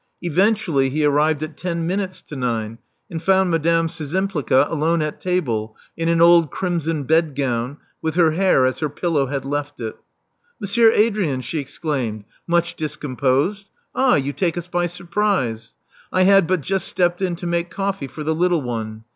Eventually he arrived at ten minutes to nine, and found Madame Szczympliga alone at table in an old crimson bedgown, with her hair as her pillow had left it. Monsieur Adrian!" she exclaimed, much discom posed. Ah, you take us by surprise. I had but just stepped in to make coffee for the little one.